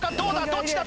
どっちだ？